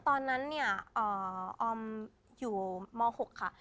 ตอนนั้นออมอยู่ม๖ค่ะ